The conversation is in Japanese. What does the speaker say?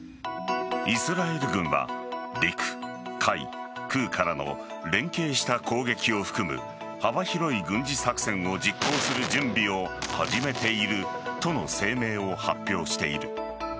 イスラエル軍は陸・海・空からの連携した攻撃を含む幅広い軍事作戦を実行する準備を始めているとの声明を発表している。